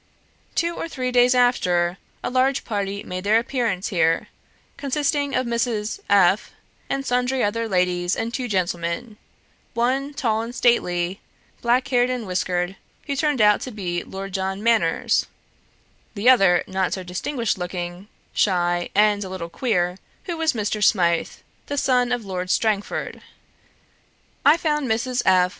Two or three days after, a large party made their appearance here, consisting of Mrs. F and sundry other ladies and two gentlemen; one tall and stately, black haired and whiskered, who turned out to be Lord John Manners, the other not so distinguished looking, shy, and a little queer, who was Mr. Smythe, the son of Lord Strangford. I found Mrs. F.